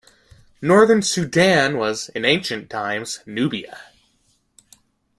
Northern Sudan was in ancient times Nubia.